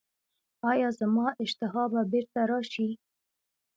ایا زما اشتها به بیرته راشي؟